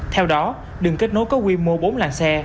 theo đó đường kết nối có quy mô bốn làng xe